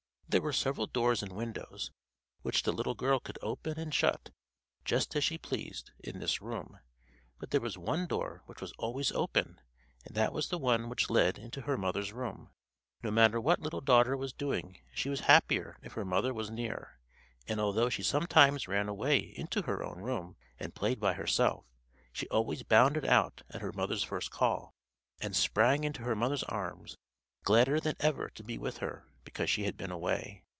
There were several doors and windows, which the little girl could open and shut just as she pleased, in this room; but there was one door which was always open, and that was the one which led into her mother's room. No matter what Little Daughter was doing she was happier if her mother was near; and although she sometimes ran away into her own room and played by herself, she always bounded out at her mother's first call, and sprang into her mother's arms, gladder than ever to be with her because she had been away.